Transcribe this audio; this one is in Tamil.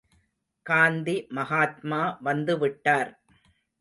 காந்தி மகாத்மா வந்துவிட்டார்.